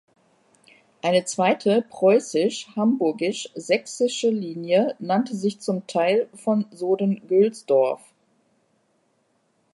Eine zweite preußisch-hamburgisch-sächsische Linie nannte sich zum Teil von Soden-Gölzdorf.